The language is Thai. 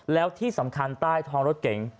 แล้วที่สำคัญใต้ท้องรถเก๋ง